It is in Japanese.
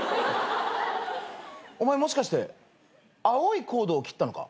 お前もしかして青いコードを切ったのか？